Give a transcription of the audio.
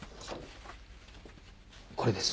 これです。